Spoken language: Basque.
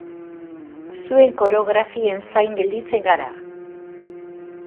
Zuen koreografien zain gelditzen gara!